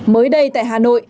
mới đây tại hà nội